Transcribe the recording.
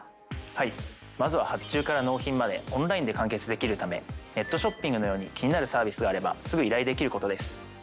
はいまずは発注から納品までオンラインで完結できるためネットショッピングのように気になるサービスがあればすぐ依頼できることです。